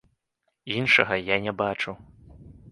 Іншага я не бачу.